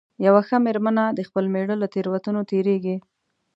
یوه ښه مېرمنه د خپل مېړه له تېروتنو تېرېږي.